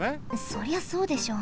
そりゃそうでしょ。